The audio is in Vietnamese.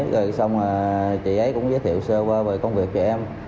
rồi xong là chị ấy cũng giới thiệu sơ vơ về công việc cho em